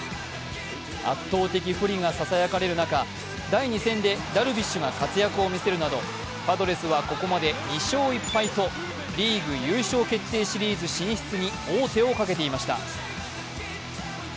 圧倒的不利がささやかれる中第２戦でダルビッシュが活躍を見せるなどパドレスはここまで、２勝１敗と、リーグ優勝決定シリーズ進出に王手をかけていました。